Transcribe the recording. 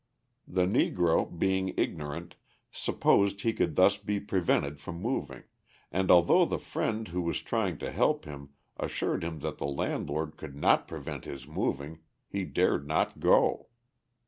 The Negro, being ignorant, supposed he could thus be prevented from moving, and although the friend who was trying to help him assured him that the landlord could not prevent his moving, he dared not go.